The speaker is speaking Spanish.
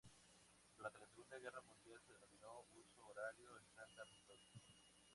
Durante la Segunda Guerra Mundial se denominó huso horario estándar de Tokio.